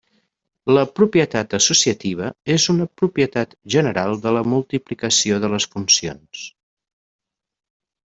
La propietat associativa és una propietat general de la multiplicació de les funcions.